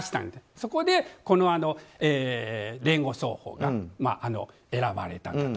そこで、この聯合早報が選ばれたんだと。